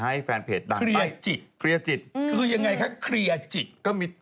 ให้แฟนเพจดังไป